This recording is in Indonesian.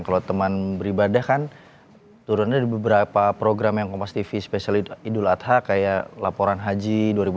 kalau teman beribadah kan turunnya di beberapa program yang kompastv spesial ido ada kayak laporan haji dua ribu dua puluh empat